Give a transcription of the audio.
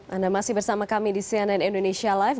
anda masih bersama kami di cnn indonesia live